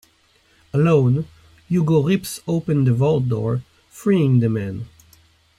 Alone, Hugo rips open the vault door, freeing the man.